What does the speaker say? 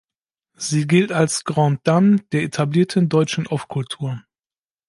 Sie gilt als "Grande Dame" der etablierten deutschen Off-Kultur.